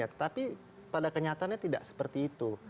tetapi pada kenyataannya tidak seperti itu